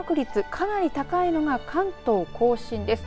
かなり高いのが関東甲信です。